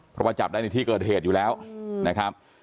เพราะว่าจับได้ในที่เกิดเหตุอยู่แล้วนะครับ